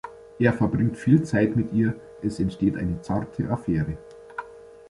Er verbringt viel Zeit mit ihr, es entsteht eine zarte Affäre.